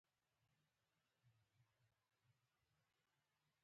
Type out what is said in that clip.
هر ملګری په ډاډه زړه په بستره کې وغځېد.